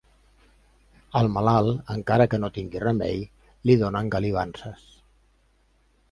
Al malalt, encara que no tingui remei, li donen galivances.